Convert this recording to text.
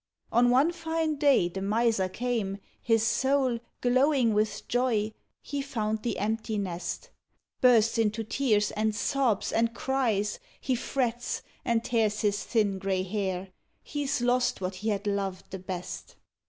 On one fine day the Miser came, his soul Glowing with joy; he found the empty nest; Bursts into tears, and sobs, and cries, He frets, and tears his thin grey hair; He's lost what he had loved the best.